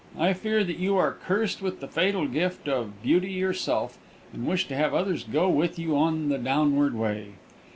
I fear that you are cursed with the fatal gift of beauty yourself and wish to have others go with you on the downward way.